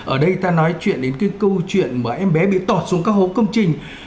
ở đây ta nói chuyện đến cái câu chuyện mà em bé bị tọt xuống các hố công trình